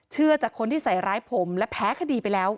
เชื่อจากคนที่ใส่ร้ายผมและแพ้คดีไปแล้ว